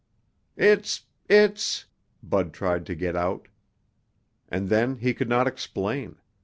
"Its ... Its ...," Bud tried to get out. And then he could not explain.